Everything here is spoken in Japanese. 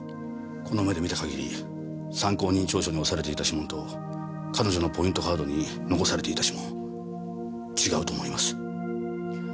この目で見た限り参考人調書に押されていた指紋と彼女のポイントカードに残されていた指紋違うと思います。